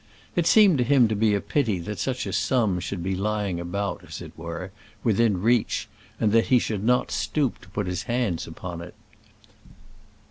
It seemed to him to be a pity that such a sum should be lying about, as it were, within reach, and that he should not stoop to put his hands upon it.